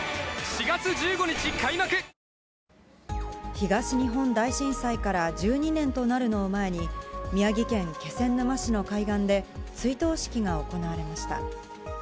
東日本大震災から１２年となるのを前に、宮城県気仙沼市の海岸で、追悼式が行われました。